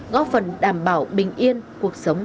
góp phần đảm bảo bình yên cuộc sống cho nhân dân